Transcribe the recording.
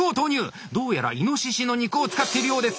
どうやらいのししの肉を使っているようです。